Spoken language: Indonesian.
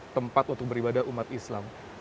tempat untuk beribadah umat islam